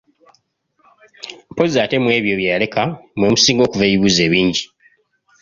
Mpozzi ate mu ebyo bye yaleka mwe musinga okuva ebibuuzo ebingi.